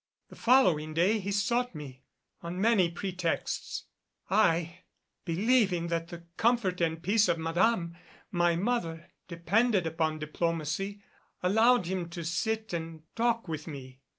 The following day he sought me on many pretexts. I, believing that the comfort and peace of Madame, my mother, depended upon diplomacy, allowed him to sit and talk with me.